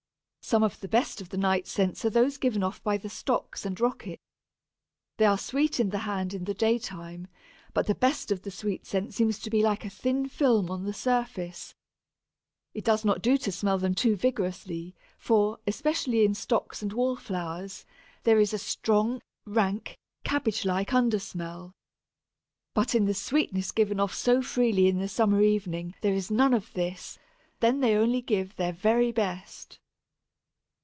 Some of the best of the night scents are those given by the Stocks and Rockets. They are sweet in the hand in the daytime, but the best of the sweet scent seems to be like a thin film on the surface. It does not do to smell them too vigorously, for, especially in Stocks and Wallflowers, there is a strong, rank, cabbage like under smell. But in the sweetness given off so freely in the summer evening there is none of this; then they only give their very best.